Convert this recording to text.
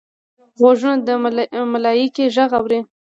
غوږونه د ملایکې غږ اوري